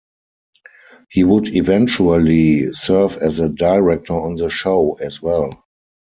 He would eventually serve as a director on the show, as well.